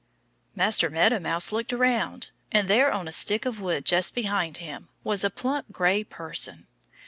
Master Meadow Mouse looked around. And there on a stick of wood just behind him was a plump gray person.